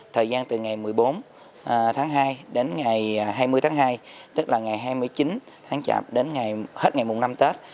thời gian từ ngày một mươi bốn tháng hai đến ngày hai mươi tháng hai tức là ngày hai mươi chín tháng chạp đến hết ngày mùng năm tết